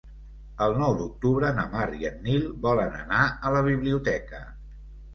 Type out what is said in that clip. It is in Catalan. El nou d'octubre na Mar i en Nil volen anar a la biblioteca.